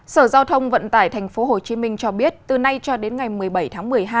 sở giao thông vận tải tp hcm cho biết từ nay cho đến ngày một mươi bảy tháng một mươi hai